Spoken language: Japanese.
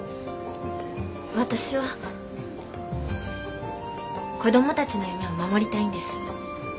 私は子どもたちの夢を守りたいんです。